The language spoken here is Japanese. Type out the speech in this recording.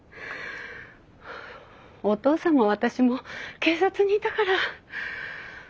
おとうさんも私も警察にいたから。